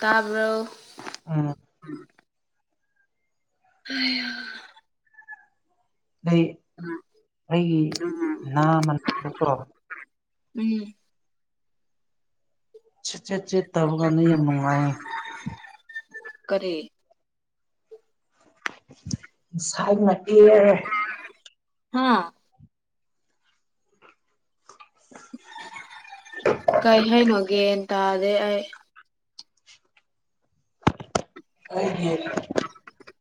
ꯇꯕꯥꯔꯣ ꯎꯝ ꯑ ꯑ ꯑꯩꯒꯤ ꯃ ꯎꯝ ꯦ ꯇꯕꯒꯅ ꯌꯥꯝ ꯃꯪꯉꯏ ꯀꯔꯦ ꯁꯥꯏ ꯃꯄꯤꯔꯦ ꯍꯥꯥ ꯀꯩ ꯍꯥꯏꯩꯅꯣꯒꯦꯟ ꯇꯥꯗꯦ ꯑꯩ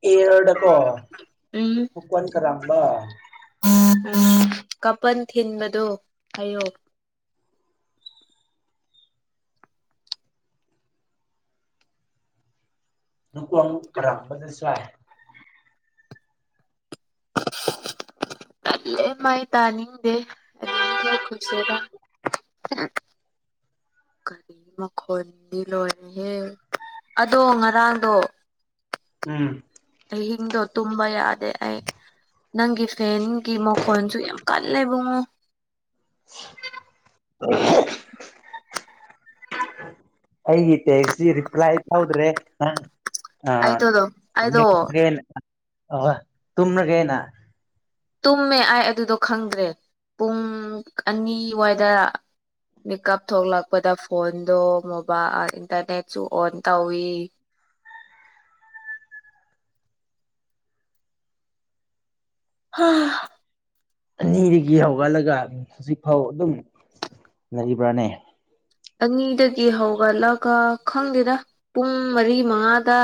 ꯑꯦꯔꯗꯀꯣ ꯎꯝ ꯐꯨ ꯋꯥꯟ ꯀꯔꯝꯕ ꯎꯝ ꯀꯄꯟ ꯊꯤꯟꯕꯗꯣ ꯍꯥꯏꯌꯨ ꯅꯣ ꯈꯔꯁꯨꯥꯏ [inaudible] ꯑꯩ ꯃꯥꯏ ꯇꯥꯅꯤꯡꯗꯦ ꯑꯗꯨꯁꯗ ꯀꯔꯤ ꯃꯈꯈꯅꯤꯗꯤ ꯂꯣꯏꯍꯦ ꯑꯗꯣ ꯉꯔꯥꯡꯗꯣ ꯎꯝ ꯑ ꯍꯤꯡꯗꯣ ꯇꯨꯝꯕ ꯌꯥꯗꯦ ꯑꯩ ꯅꯪꯒꯤ ꯐꯦꯟꯒꯤ ꯃꯈꯣꯟꯁꯨ ꯌꯥꯝ ꯀꯜꯂꯦꯕꯨꯡꯉꯣ [inaudible] ꯑꯩꯒꯤ ꯇꯦꯛꯁꯁꯤ ꯔꯤꯄ꯭ꯂꯥꯏ ꯇꯧꯗ꯭ꯔꯦ ꯑ ꯑ ꯑꯩꯗꯣꯗꯣ ꯑꯩꯗꯣ ꯇꯨꯅꯒꯅ ꯇꯨꯝꯃꯦ ꯑꯩꯥꯏ ꯑꯗꯨꯗꯣ ꯈꯪꯗ꯭ꯔꯦ ꯄꯨꯡ ꯑꯅꯤꯋꯥꯏꯗ ꯃꯤꯀꯞ ꯊꯣꯛꯂꯛꯄꯗ ꯐꯣꯟꯗꯣꯣꯕꯥ ꯏꯟꯇꯔꯅꯦꯠꯁꯨ ꯑꯣꯟ ꯇꯧꯋꯤ [unintelligible] ꯍ ꯑꯅꯤꯗꯒꯤ ꯍꯧꯒꯠꯂꯒ ꯍꯧꯖꯤꯛꯐꯥꯎ ꯑꯗꯨꯝ ꯂꯩꯕ꯭ꯔꯥꯅꯦ ꯑꯅꯤꯗꯒꯤ ꯍꯧꯒꯠꯂꯒ ꯈꯪꯗꯦꯗ ꯄꯨꯡ ꯃꯔꯤ ꯃꯉꯥꯗ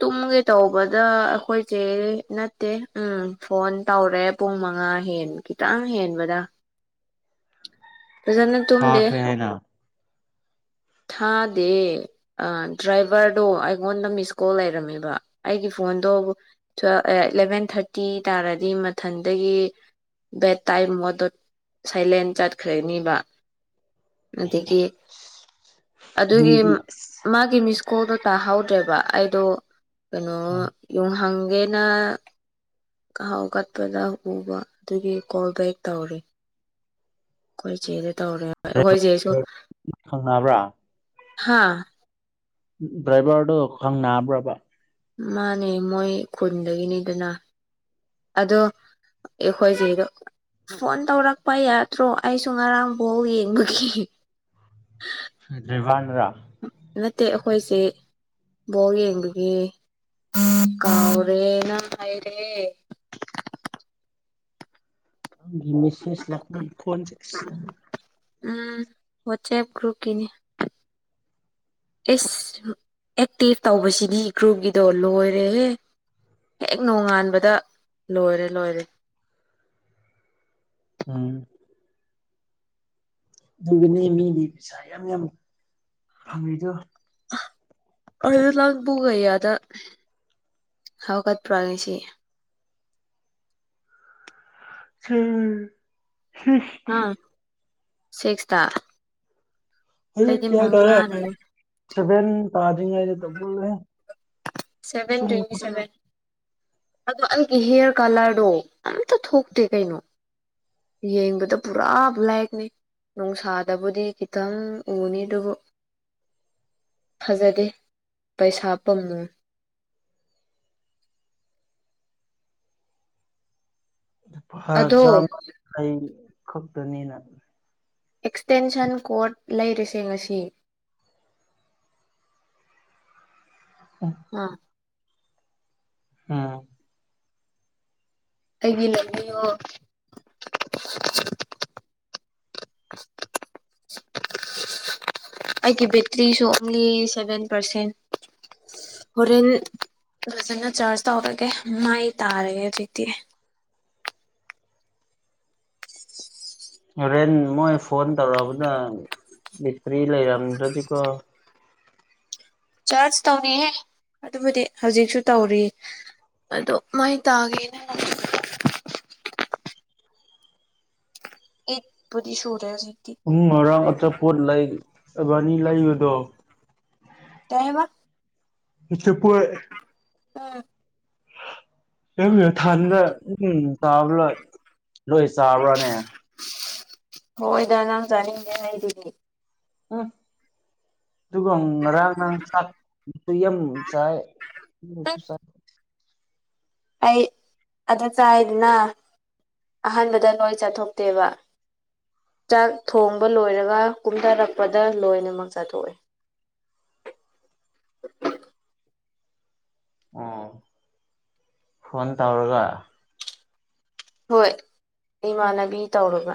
ꯇꯨꯝꯒꯦ ꯇꯧꯕꯗ ꯑꯩꯈꯣꯏꯁꯦ ꯅꯠꯇꯦ ꯎꯝ ꯐꯣꯟ ꯇꯧꯔꯦ ꯄꯨꯡ ꯃ ꯃꯉꯥ ꯍꯦꯟ ꯈꯤꯇꯪ ꯍꯦꯟꯕꯗ ꯑꯗꯨꯖꯅ ꯇꯨꯡ ꯗꯦ ꯊꯥꯈ꯭ꯔꯦ ꯍꯥꯏꯅ ꯊꯥꯗꯦ ꯗ꯭ꯔꯥꯏꯚꯔꯗꯣ ꯑꯩꯉꯣꯟꯗ ꯃꯤꯁ ꯀꯣꯜ ꯂꯩꯔꯝꯃꯦꯕ ꯑꯩꯒꯤ ꯐꯣꯟꯗꯣ ꯏꯂꯦꯚꯦꯟ ꯊꯥꯔꯇꯤ ꯇꯥꯔꯗꯤ ꯃꯊꯟꯗꯒꯤ ꯕꯦꯠ ꯇꯥꯏꯝ ꯃꯗꯨꯠ ꯁꯥꯏꯂꯦꯟ ꯆꯠꯈ꯭ꯔꯅꯤꯕ ꯑꯗꯒꯤ ꯑꯗꯨꯒꯤ ꯃꯤꯗꯤ ꯑꯁ ꯃꯥꯒꯤ ꯁ꯭ꯀꯨꯜꯗꯣ ꯇꯥꯍꯧꯗ꯭ꯔꯦꯕ ꯑꯩꯗꯣ ꯀꯩꯅꯣ ꯌꯨꯡꯍꯪꯒꯦꯅ ꯈꯥꯎ ꯀꯠꯄꯗ ꯎꯕ ꯑꯗꯨꯒꯤ ꯀꯣꯜ ꯕꯦꯛ ꯇꯧꯔꯤ ꯑꯩꯈꯣꯏ ꯆꯦꯗ ꯇꯧꯔ ꯑꯩꯈꯣꯏ ꯆꯦꯁꯨ ꯈꯪꯅꯕ꯭ꯔꯥ ꯍꯥꯥ ꯗ꯭ꯔꯥꯏꯚꯔꯗꯣ ꯈꯪ ꯕ꯭ꯔꯕ ꯃꯥꯅꯦ ꯃꯣꯏ ꯈꯨꯟꯗꯒꯤꯅꯤꯗꯅ ꯑꯗꯣ ꯑꯦꯈꯣꯏꯁꯤꯗꯣ ꯐꯣꯟ ꯇꯧꯔꯛꯄ ꯌꯥꯗ꯭ꯔꯣ ꯑꯩꯁꯨ ꯉꯔꯥꯡꯐꯥꯎ ꯌꯦꯡꯕꯒꯤ ꯦꯚꯟ ꯔ ꯅꯠꯇꯦ ꯑꯩꯈꯣꯏꯁꯦ ꯕꯣꯜ ꯌꯦꯡꯕꯒꯤ ꯀꯥꯎꯔꯦꯅ ꯃꯩꯔꯦ ꯃꯤꯁꯁ ꯂ ꯀꯣꯟ ꯆꯦ ꯎꯝ ꯋꯥꯆꯦ ꯭ꯔꯨꯀꯤꯅꯦ ꯑꯦꯁ ꯑꯦꯛꯇꯤꯞ ꯇꯧꯕꯁꯤꯅꯤ ꯒ꯭ꯔꯨꯞꯀꯤꯗꯣ ꯂꯣꯏꯔꯦꯍꯦ ꯍꯦꯛ ꯅꯣꯡꯉꯥꯟꯕꯗ ꯂꯣꯏꯔꯦ ꯂꯣꯏꯔꯦ ꯎꯝ ꯑꯗꯨꯒꯒꯤꯅꯦ ꯃꯤꯗꯤ ꯄꯩꯁꯥ ꯌꯥꯝ ꯌꯥꯝ ꯐꯪꯉꯗꯣ ꯑꯗꯨ ꯂ ꯄꯒꯗ ꯍꯥꯎꯀꯠ ꯄ꯭ꯔꯣ ꯉꯥꯁꯤ ꯍꯝ ꯍ ꯁꯤꯁꯇ ꯑꯩ ꯀꯌꯥ ꯇꯥꯔꯦ ꯁꯤꯕꯦꯟ ꯇꯗꯔꯤ ꯁꯚꯦꯟ ꯇ꯭ꯋꯦꯟꯇꯤ ꯁꯚꯦꯟ ꯑꯗꯣ ꯑꯩꯒꯤ ꯍꯤꯌꯔ ꯀꯂꯔꯗꯣ ꯑꯝꯇ ꯊꯣꯛꯇꯦ ꯀꯩꯅꯣ ꯌꯦꯡꯕꯗ ꯄꯨꯔꯥ ꯂꯥꯏꯛꯅꯦ ꯅꯨꯡꯁꯥꯗꯕꯨꯗꯤ ꯈꯤꯇꯪ ꯎꯅꯤ ꯑꯗꯨꯕꯨ ꯐꯖꯗꯦ ꯄꯩꯁꯥ ꯄꯥꯝꯃꯨꯏ ꯐ ꯑꯗꯣ ꯆꯥꯝꯃ ꯑꯩ ꯈꯛꯇꯅꯦꯅ ꯑꯗꯨ ꯑꯦꯛꯁꯇꯦꯟꯁꯟ ꯀꯣꯔꯠ ꯂꯩꯔꯤꯁꯦ ꯉꯁꯤ [unintelligible] ꯑꯥ ꯑꯝ ꯑꯩꯒꯤ ꯂꯝꯕꯤꯌꯣ ꯑꯩꯒꯤ ꯕꯦꯇ꯭ꯔꯤꯁꯨ ꯑꯣꯡꯂꯤ ꯁꯚꯦꯟ ꯄꯥꯔꯁꯦꯟ ꯍꯣꯔꯦꯟ ꯐꯖꯅ ꯆꯥꯔꯆ ꯇꯧꯔꯒꯦ ꯃꯥꯏ ꯇꯥꯔꯒꯦ ꯑꯗꯨꯗꯤ ꯍꯣꯔꯦꯟ ꯃꯣꯏ ꯐꯣꯟ ꯇꯧꯔꯛꯑꯕꯗ ꯇ꯭ꯔꯤ ꯂꯩꯔꯝꯗꯖꯤꯀꯣ ꯆꯥꯖꯁ ꯇꯧꯅꯤꯍꯦ ꯑꯗꯨꯕꯨꯗꯤ ꯍꯧꯖꯤꯛꯁꯨ ꯇꯧꯔꯤꯌꯦ ꯑꯗꯣ ꯃꯥꯏ ꯇꯥꯒꯦꯅ ꯑꯦꯕꯗꯤ ꯁꯣꯔꯔꯦ ꯁꯤ ꯑꯨꯡ ꯃꯔꯥꯡ ꯑꯆꯥꯄꯣꯠ ꯂꯩ ꯑꯕꯥꯅꯤ ꯂꯩꯕꯗꯣ ꯀꯩꯑꯕꯥ ꯑꯆꯥꯄꫭꯠ ꯑꯥ ꯀ ꯊꯥꯟꯗ ꯎꯝ ꯇꯥꯕ꯭ꯔꯥ ꯂꯣꯏ ꯆꯥꯕ꯭ꯔꯥꯅꯦ ꯍꯏꯗꯅꯥꯝ ꯆꯅꯤ ꯂꯩꯗꯤꯅꯤ ꯎꯝ ꯑꯗꯨꯒ ꯉꯔꯥꯡ ꯉꯥꯡ ꯆꯥꯛꯄꯁꯨ ꯌꯥꯝ ꯆꯥꯏ ꯎꯝ ꯆꯥꯏ ꯑꯩ ꯑꯗꯨ ꯆꯥꯏꯗꯅ ꯑꯍꯥꯟꯕꯗ ꯂꯣꯏ ꯆꯠꯊꯣꯛꯇꯦꯕ ꯆꯥꯛ ꯊꯣꯡꯕ ꯂꯣꯏꯔꯒ ꯀꯨꯝꯊꯔꯛꯄꯗ ꯂꯣꯏꯅꯃꯛ ꯆꯥꯊꯣꯛꯏ [unintelligible] ꯑꯣ ꯐꯣꯟꯣꯟ ꯇꯧꯔꯒ ꯍꯣꯏ ꯏꯃꯥꯟꯅꯕꯤ ꯇꯧꯔꯕ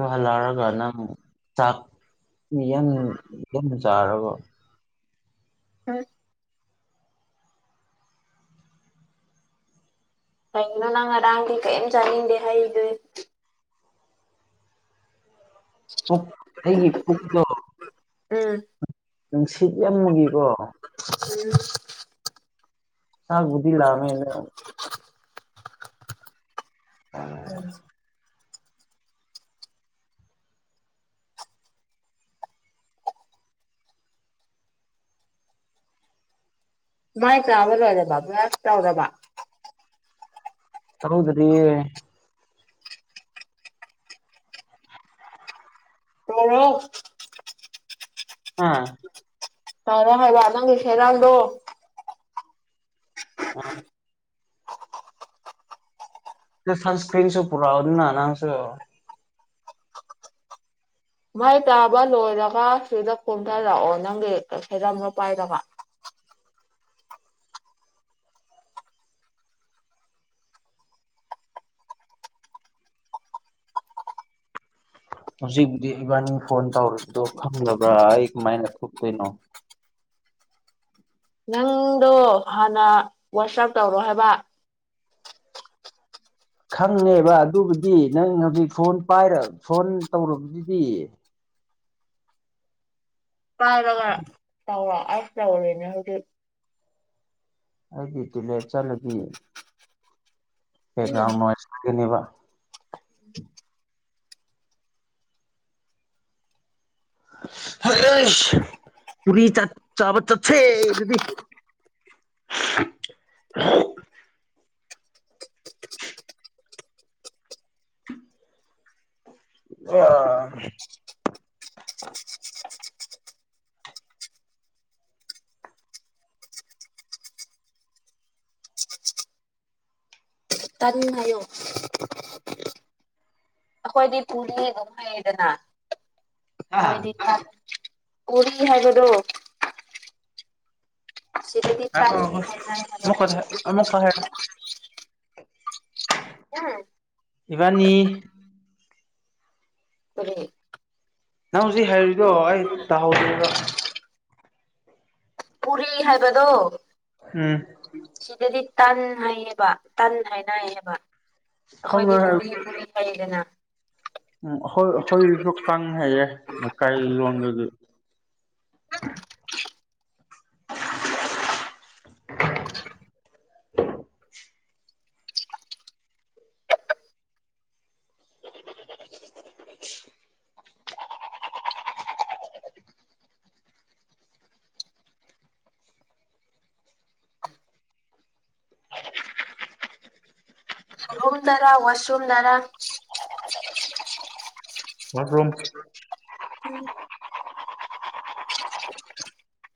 ꯑꯝ ꯍꯜꯂꯔꯒꯅ ꯁꯥꯞ ꯌꯥꯝ ꯌꯥꯝꯟ ꯆꯥꯔꯔꯕ ꯎꯝ ꯀꯩꯒꯤꯅꯣ ꯅꯪ ꯉꯔꯥꯡꯗꯤ ꯀꯔꯤꯝ ꯆꯥꯅꯤꯡꯗꯦ ꯍꯥꯏꯗ ꯄꯨꯛ ꯑꯩꯒꯤ ꯄꯨꯛꯇꯥ ꯎꯝ ꯅꯨꯡꯁꯤꯠ ꯌꯥꯝꯕꯒꯥ ꯀꫭ ꯊꯜ ꯑꯕꯨꯗꯤ ꯂꯑ ꯎꯝ ꯃꯥꯏ ꯇꯕꯂ ꯑꯣꯏꯗꯕ ꯕꯔꯥꯔꯁ ꯇꯧꯗꯕ ꯍꯧꯗꯗꯤꯦ ꯔꯔꯣ ꯑꯥ ꯐꯗ ꯍꯥꯏ ꯂ ꯅꯪꯒꯦ ꯍꯦꯔꯜꯗꯣ ꯁꯟꯁꯀ꯭ꯔꯤꯟꯁꯨ ꯄꯨꯔ ꯑꯣꯏꯅꯤꯅ ꯅꯥꯡꯁꯨ ꯃꯥꯏ ꯇꯥꯕ ꯂꯣꯏꯔꯒ ꯁꯤꯗ ꯀꯣꯝꯊꯔꯛꯑꯣ ꯅꯪꯒꯤ ꯀꯩ ꯈꯩꯔꯝꯅꯣ ꯄꯥꯏꯔꯒ [unintelligible] ꯍꯧꯖꯤꯛꯕꯨꯗꯤ ꯏꯕꯥꯅꯤ ꯐꯣꯟ ꯇꯧꯔꯤꯕꯗꯣ ꯈꯪꯕ꯭ꯔꯥ ꯑꯩ ꯀꯃꯥꯏꯅ ꯊꯣꯛꯇꯣꯏꯅꯣ ꯄꯨꯡꯗꯣ ꯍꯥꯟꯅ ꯋꯥꯆꯞ ꯇꯧꯔꯣ ꯍꯥꯏꯕ ꯈꯪꯉꯦꯕ ꯑꯗꯨꯕꯨꯗꯤ ꯅꯪ ꯍꯧꯖꯤꯛ ꯐꯣꯟ ꯄꯥꯏ ꯐꯣꯟ ꯇꯧꯔꯕꯗꯨꯗꯤ ꯀꯥꯏ ꯅ ꯆ ꯑꯁ ꯇꯔꯅꯦ ꯍꯧꯖꯤ ꯑꯩꯗꯤꯇꯨꯂ ꯆꯂꯗꯤꯌꯦ ꯀꯕꯥꯎꯥꯏꯒꯤꯕ ꯎꯝ ꯍ ꯄꯨꯔꯤ ꯆ ꯆꯥꯕ ꯆ ꯗꯤ ꯎ ꯑ ꯇꯥꯟꯉꯌꯣ ꯑꯩꯈꯣꯏꯗꯤ ꯄꯨꯔꯤ ꯑꯗꯨꯝ ꯍꯩꯌꯦꯗꯅ ꯃꯣꯏꯗꯤ ꯊ ꯀꯔꯤ ꯍꯥꯏꯕꯗꯣ ꯁꯤꯗꯗꯤ ꯇꯥꯟ ꯉꯥꯏꯈꯣ ꯍꯥꯏ ꯍꯂꯣ ꯑꯃꯨꯛꯀ ꯑꯃꯨꯛꯀ ꯍꯥꯏꯔꯣ ꯑ ꯏꯕꯥꯅꯤ ꯀꯔꯤꯦ ꯅꯪ ꯍꯧꯖꯤꯛ ꯍꯩꯔꯔꯤꯗꯣ ꯑꯩ ꯇꯥꯍꯧꯗꯦꯗ ꯄꯨꯔꯤ ꯍꯥꯏꯕꯗꯣ ꯎꯝ ꯁꯤꯗꯗꯤ ꯇꯟ ꯍꯥꯏꯌꯦꯕ ꯇꯟ ꯍꯥꯏꯅ ꯍꯥꯏꯌꯦꯕ ꯈꯪꯉꯦ ꯑꯩꯈꯣꯏꯗꯤ ꯄꯨꯔꯤ ꯄꯨꯔꯤ ꯀꯩꯗꯅ ꯎꯝꯣꯏ ꯑꯩꯈꯣꯏꯁꯨ ꯀꯪꯉ ꯍꯥꯏꯩꯌꯦꯦ ꯂꯩꯀꯥꯏ ꯂꯣꯟꯗꯨꯗꯤ ꯎ [unintelligible] [unintelligible] ꯔꯣꯝ ꯔꯥ ꯋꯥꯁꯔꯨꯝ ꯔꯥ ꯃꯥꯣꯝ ꯎꯝ [unintelligible]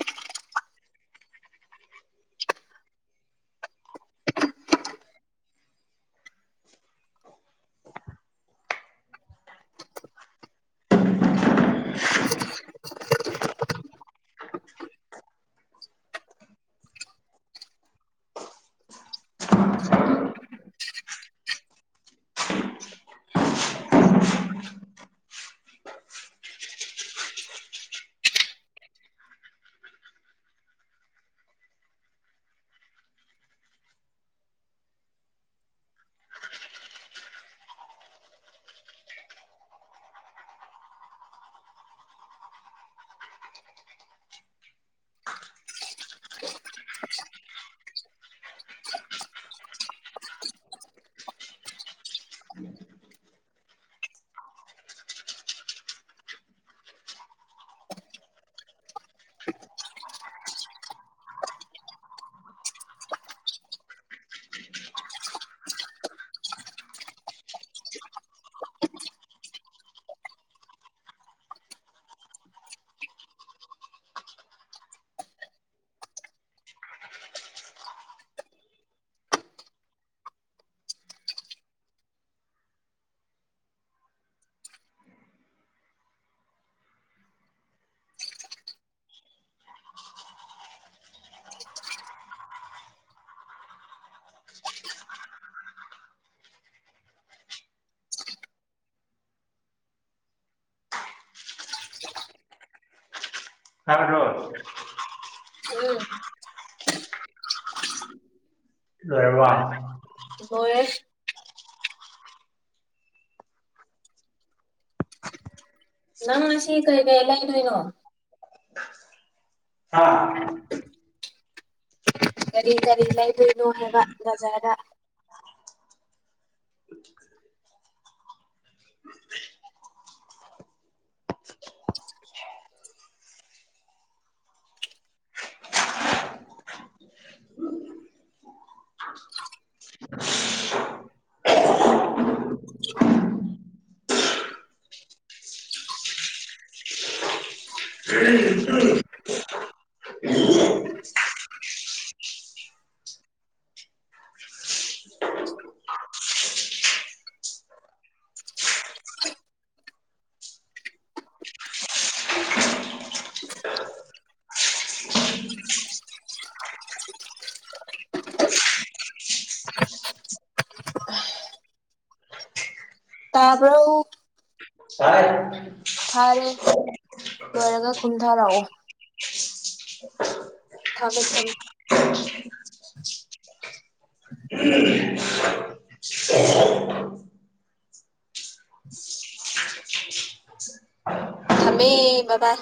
[unintelligible] ꯀꯔ ꯔꯣ ꯎꯝ ꯂꯩꯔ ꯋꯥ ꯦ [unintelligible] ꯅꯪꯁꯤ ꯀ ꯏꯦꯂ ꯏꯗꯣꯏꯅꯣ ꯍꯥ ꯀꯔꯤ ꯀꯔꯤ ꯂꯩꯗꯣꯏꯅꯣ ꯍꯥꯏꯕ ꯖꯥꯔꯗ ꯇꯕ ꯇꯥꯏ ꯐꯔꯦ ꯂꯣꯏꯔꯒ ꯀꯨꯝꯊꯔꯛꯑꯣ ꯊꯃꯦ ꯊꯃꯦ ꯊꯃꯦ ꯕꯥ